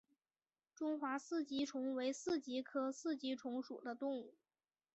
中华四极虫为四极科四极虫属的动物。